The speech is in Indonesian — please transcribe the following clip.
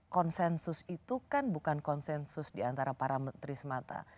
konsensus itu kan bukan konsensus diantara para menteri semata